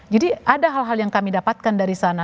jadi ada hal hal yang kami dapatkan dari sana